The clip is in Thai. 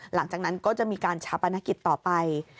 หลังจากนั้นก็จะมีการชาปนกิจต่อไป